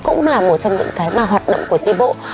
nó cũng là một trong những cái hoạt động của trí bộ